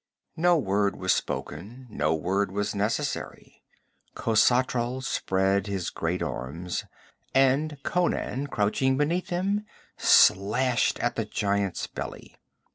No word was spoken. No word was necessary. Khosatral spread his great arms, and Conan, crouching beneath them, slashed at the giant's belly.